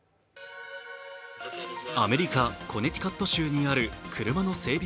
アメリカ・コネティカット州にある車の整備